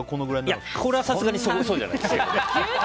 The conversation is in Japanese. それはさすがにそうじゃないです。